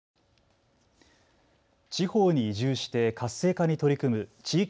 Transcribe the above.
地方に移住して活性化に取り組む地域